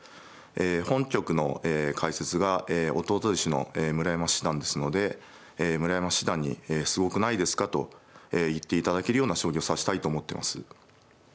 本局の解説が弟弟子の村山七段ですので村山七段に「すごくないですか」と言って頂けるような将棋を指したいと思ってます。